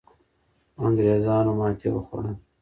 انګریزانو ماتې وخوړه.